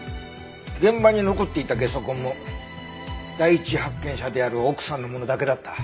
現場に残っていたゲソ痕も第一発見者である奥さんのものだけだった。